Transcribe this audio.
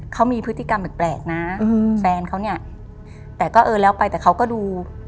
เขามีพฤติกรรมแปลกนะแฟนเขาเนี่ยแต่ก็เออแล้วไปแต่เขาก็ดู